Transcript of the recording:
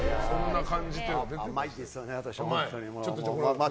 甘いですよね、私は。